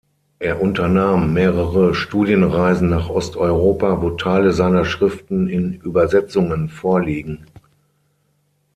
Er unternahm mehrere Studienreisen nach Osteuropa, wo Teile seiner Schriften in Übersetzungen vorliegen.